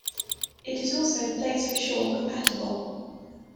It is also PlaysForSure compatible.